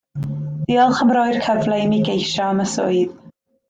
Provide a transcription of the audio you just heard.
Diolch am roi'r cyfle imi geisio am y swydd